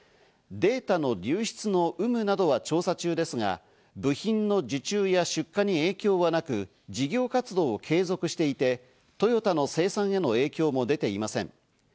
データの流出の有無などは調査中ですが、部品の受注や出荷に影響はなく、事業活動を継続していてトヨタの生産への影響も出ていません。